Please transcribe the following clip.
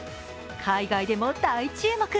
海外でも大注目。